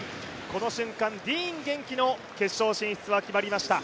この瞬間、ディーン元気の決勝進出は決まりました。